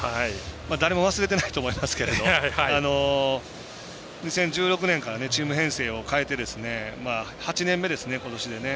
誰も忘れてないと思いますけど２０１６年からチーム編成を変えて８年目ですね、今年は。